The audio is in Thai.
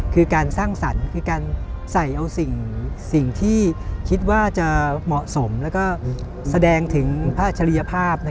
คือการสร้างสรรค์ใส่เอาสิ่งที่คิดว่าจะเหมาะสมและแสดงถึงพระอัชรีภาพ